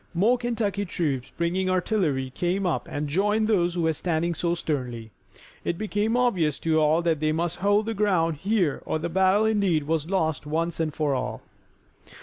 More Kentucky troops bringing artillery came up and joined those who were standing so sternly. It became obvious to all that they must hold the ground here or the battle indeed was lost once and for all.